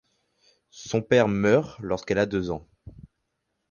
Son père meurt lorsqu'elle a deux ans.